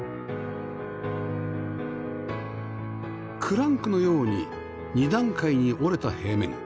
クランクのように２段階に折れた平面